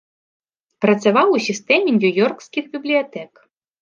Працаваў у сістэме нью-ёркскіх бібліятэк.